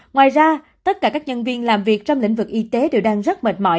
ngoài ra tất cả các nhân viên làm việc trong lĩnh vực y tế đều đang rất mệt mỏi